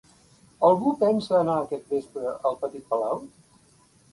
Algú pensa anar aquest vespre al Petit Palau?